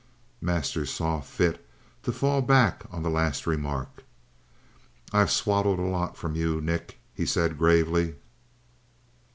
Masters saw fit to fall back on the last remark. "I've swallowed a lot from you, Nick," he said gravely.